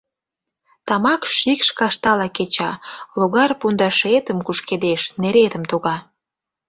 Тамак шикш каштала кеча, логар пундашетым кушкедеш, неретым туга.